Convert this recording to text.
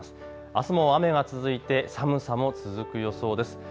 あすも雨が続いて寒さも続く予想です。